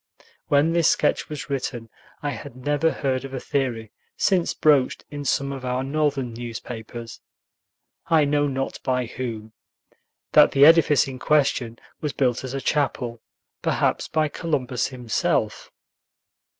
When this sketch was written, I had never heard of a theory since broached in some of our Northern newspapers, I know not by whom, that the edifice in question was built as a chapel, perhaps by Columbus himself!